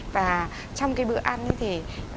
và trong cái bữa ăn thì